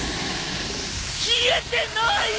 消えてない！？